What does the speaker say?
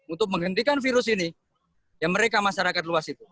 untuk menghentikan virus ini yang mereka masyarakat luas itu